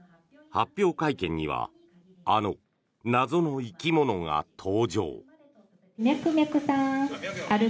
発表会見にはあの謎の生き物が登場。